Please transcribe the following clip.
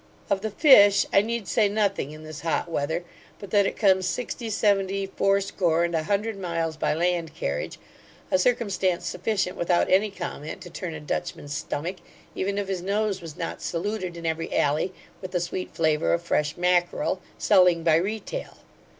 Of the fish, I need say nothing in this hot weather, but that it comes sixty, seventy, fourscore, and a hundred miles by land carriage; a circumstance sufficient without any comment, to turn a Dutchman's stomach, even if his nose was not saluted in every alley with the sweet flavour of fresh mackarel, selling by retail.